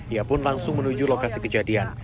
ia pun langsung menuju lokasi kejadian